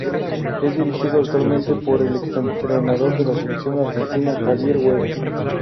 Es dirigido actualmente por el ex-entrenador de la selección argentina, Javier Weber.